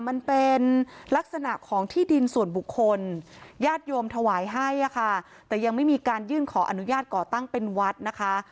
มันเป็นลักษณะของที่ดินส่วนบุคคลญาติโยมถวายให้ค่ะแต่ยังไม่มีการยื่นขออนุญาตก่อตั้งเป็นวัดนะคะ